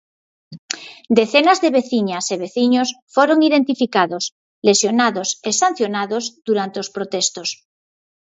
Decenas de veciñas e veciños foron identificados, lesionados e sancionados durante os protestos.